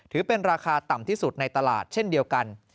ถือเป็นราคาต่ำที่สุดในตลาดเช่นเดียวกัน